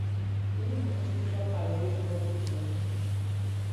او همهچیز را فدای مد میکند.